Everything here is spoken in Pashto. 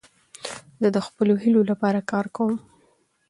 زه د خپلو هیلو له پاره کار کوم.